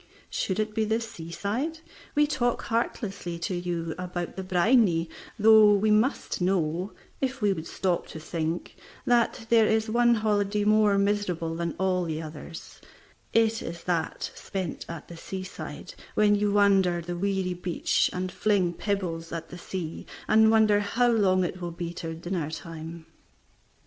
Should it be the seaside, we talk heartlessly to you about the "briny," though we must know, if we would stop to think, that if there is one holiday more miserable than all the others, it is that spent at the seaside, when you wander the weary beach and fling pebbles at the sea, and wonder how long it will be till dinner time.